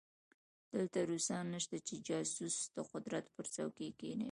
دلته روسان نشته چې جاسوس د قدرت پر څوکۍ کېنوي.